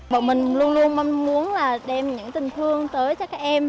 bọn mình luôn luôn mong muốn đem những tình thương tới các em